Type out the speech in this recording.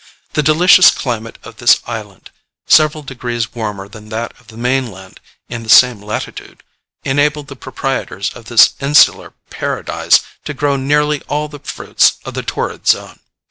The delicious climate of this island, several degrees warmer than that of the main land in the same latitude, enabled the proprietors of this insular Paradise to grow nearly all the fruits of the torrid zone.